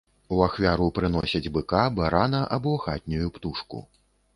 У ахвяру прыносяць быка, барана або хатнюю птушку.